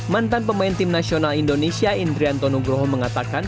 mantan pemain tim nasional indonesia indrianto nugroho mengatakan